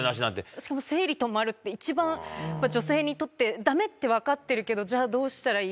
しかも生理止まるって、一番、やっぱり女性にとってだめって分かってるけど、じゃあどうしたらいい？